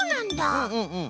うんうんうん。